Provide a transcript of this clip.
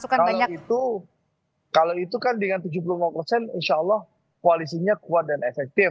kalau itu kalau itu kan dengan tujuh puluh lima persen insya allah koalisinya kuat dan efektif